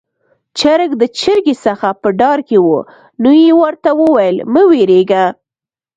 چرګ د چرګې څخه په ډار کې وو، نو يې ورته وويل: 'مه وېرېږه'.